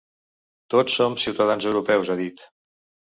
Tots som ciutadans europeus, ha dit.